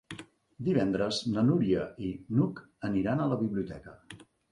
Divendres na Núria i n'Hug aniran a la biblioteca.